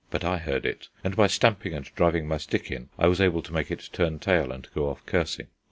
But I heard it, and by stamping and driving my stick in I was able to make it turn tail and go off, cursing.